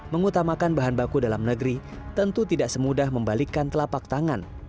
mengutamakan bahan baku dalam negeri tentu tidak semudah membalikkan telapak tangan